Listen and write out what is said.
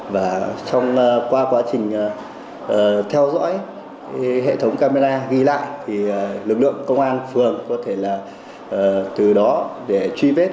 và qua quá trình theo dõi hệ thống camera ghi lại thì lực lượng công an phường có thể là từ đó để truy vết